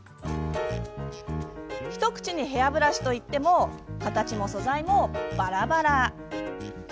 一口にヘアブラシといっても形も、素材も、ばらばら。